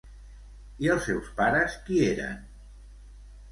I els seus pares qui eren?